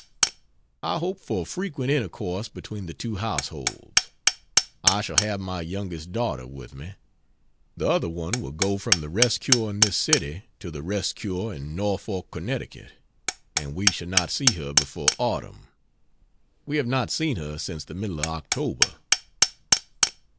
I hope for frequent intercourse between the two households. I shall have my youngest daughter with me. The other one will go from the rest cure in this city to the rest cure in Norfolk Conn and we shall not see her before autumn. We have not seen her since the middle of October.